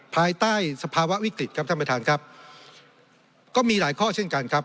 ภายใต้สภาวะวิกฤตครับท่านประธานครับก็มีหลายข้อเช่นกันครับ